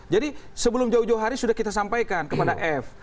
jadi sebelum jauh jauh hari sudah kita sampaikan kepada f